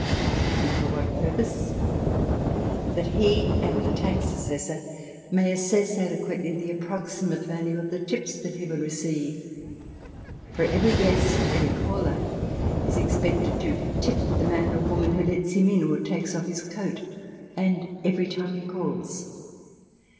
And for what purpose ? That he, and the tax assessor, may assess adequately the approximate value of the tips that he will receive. For every guest, every caller, is expected to tip the man or woman who lets him in or takes off his coat, and every time he calls.